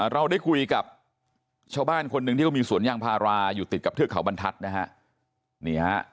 เราได้คุยกับชาวบ้านคนหนึ่งที่เขามีสวนยางพาราอยู่ติดกับเทือกเขาบรรทัศน์นะฮะ